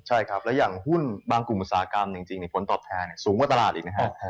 ใช่ครับแล้วอย่างหุ้นบางกลุ่มอุตสาหกรรมจริงผลตอบแทนสูงกว่าตลาดอีกนะครับ